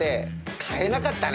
変えなかったね。